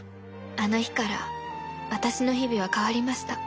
「あの日から私の日々は変わりました。